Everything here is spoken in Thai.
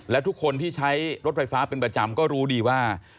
และทุกคนที่ใช้รถไฟฟ้าเป็นประจำก็รู้ดีว่า